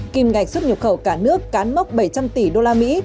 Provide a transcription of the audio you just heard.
kìm ngạch suốt nhập khẩu cả nước cán mốc bảy trăm linh tỷ usd